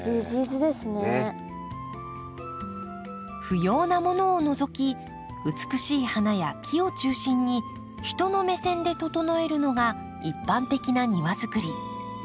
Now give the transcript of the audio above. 不要なものを除き美しい花や木を中心に人の目線で整えるのが一般的な庭作り。